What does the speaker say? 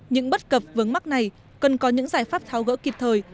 những bất cập vướng mắc này cần có những giải pháp tháo gỡ kịp thời